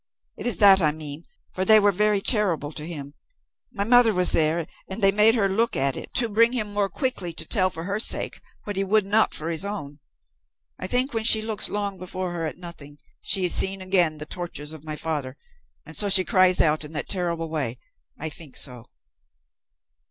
It is that I mean for they were very terrible to him. My mother was there, and they made her look at it to bring him the more quickly to tell for her sake what he would not for his own. I think when she looks long before her at nothing, she is seeing again the tortures of my father, and so she cries out in that terrible way. I think so."